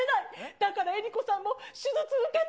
だから江里子さんも手術受けて。